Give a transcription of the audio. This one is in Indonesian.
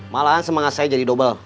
malahan semangat saya jadi double